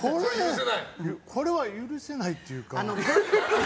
これは許せないというか。